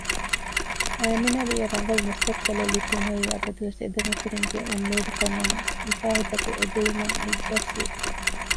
އައިމިނާބީއަށް ރަނގަޅު މުސްތަޤުބަލެއް ލިބުންއެއީ އަބަދުވެސް އެދެމަފިރިންގެ އުންމީދެއްކަމުން އިސާހިތަކު އެގުޅުމަށް އެއްބަސްވި